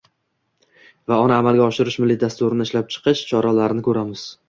va uni amalga oshirish milliy dasturini ishlab chiqish choralarini ko‘ramiz.